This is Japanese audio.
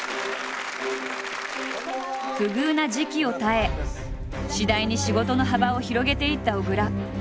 不遇な時期を耐え次第に仕事の幅を広げていった小倉。